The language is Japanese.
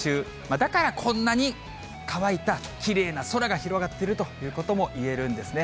だから、こんなに乾いたきれいな空が広がっているということも言えるんですね。